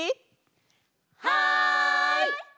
はい！